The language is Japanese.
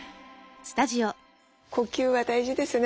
呼吸は大事ですね。